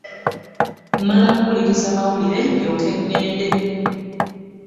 Mmala kuwuliriza mawulire ndyoke ŋŋende.